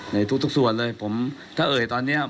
ในทุกส่วนเลยผมถ้าเอ่ยตอนนี้